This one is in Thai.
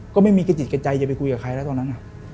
ก็ไม่มีกระจิตกระใจจะไปคุยกับใครแล้วตอนนั้น